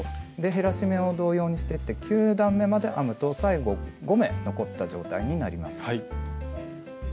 減らし目を同様にしていって９段めまで編むと最後５目残った状態になります。